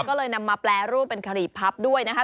ก็เลยนำมาแปรรูปเป็นคดีพับด้วยนะคะ